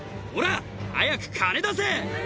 「ほら早く金出せ！」